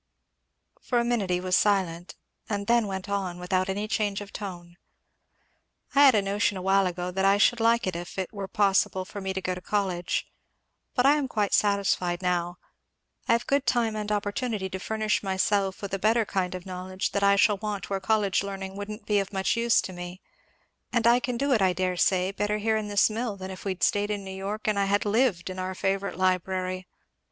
For a minute he was silent, and then went on, without any change of tone. "I had a notion awhile ago that I should like it if it were possible for me to go to college; but I am quite satisfied now. I have good time and opportunity to furnish myself with a better kind of knowledge, that I shall want where college learning wouldn't be of much use to me; and I can do it, I dare say, better here in this mill than if we had stayed in New York and I had lived in our favourite library."